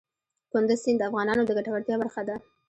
کندز سیند د افغانانو د ګټورتیا برخه ده.